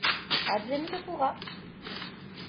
Advienne que pourra.